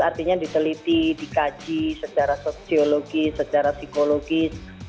artinya diteliti dikaji secara sosiologis secara psikologis